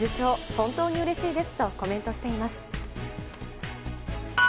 本当にうれしいですとコメントしています。